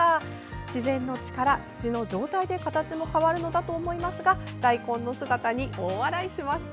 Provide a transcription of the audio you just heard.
自然の力、土の状態で形も変わるのだと思いますが大根の姿に大笑いしました。